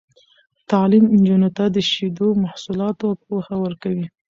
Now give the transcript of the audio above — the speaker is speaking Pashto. تعلیم نجونو ته د شیدو محصولاتو پوهه ورکوي.